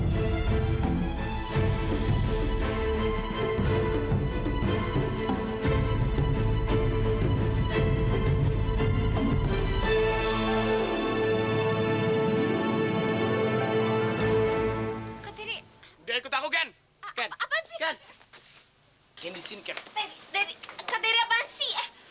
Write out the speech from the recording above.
diri kak diri apaan sih